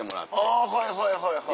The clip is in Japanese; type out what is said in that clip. あはいはいはいはい。